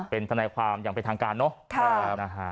เป็นทนายความอย่างเป็นทางการเนอะ